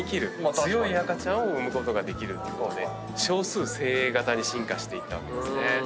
強い赤ちゃんを産むことができるっていうことで少数精鋭型に進化していったわけですね。